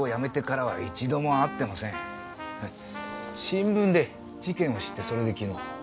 新聞で事件を知ってそれで昨日。